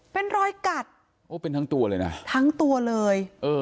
เป็นรอยกัดโอ้เป็นทั้งตัวเลยนะทั้งตัวเลยเออ